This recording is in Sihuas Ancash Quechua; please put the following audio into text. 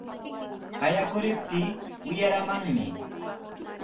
Qayakuriptii wiyaramanmi.